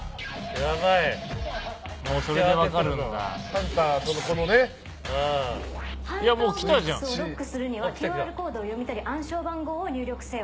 ハンターボックスをロックするにはＱＲコードを読み取り暗証番号を入力せよ。